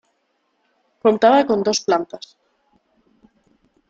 Contaba con dos plantas.